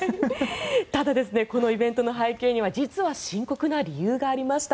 ただこのイベントの背景には実は深刻な理由がありました。